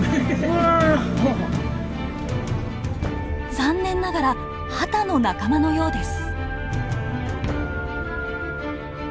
残念ながらハタの仲間のようです。